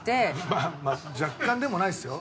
まあ若干でもないですよ。